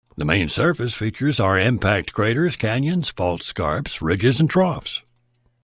The main surface features are impact craters, canyons, fault scarps, ridges, and troughs.